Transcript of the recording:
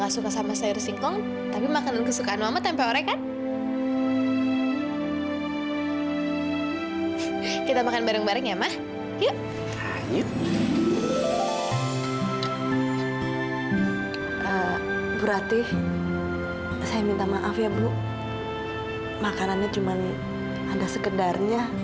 sampai jumpa di video selanjutnya